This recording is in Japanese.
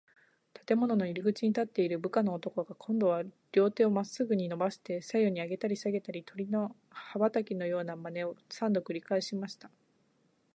建物の入口に立っている部下の男が、こんどは両手をまっすぐにのばして、左右にあげたりさげたり、鳥の羽ばたきのようなまねを、三度くりかえしました。